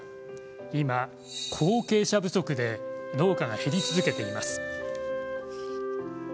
今、後継者不足で農家が減り続けています。